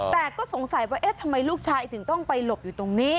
แต่ก็สงสัยว่าเอ๊ะทำไมลูกชายถึงต้องไปหลบอยู่ตรงนี้